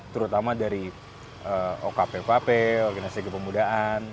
terutama dari okpvp organisasi kepemudian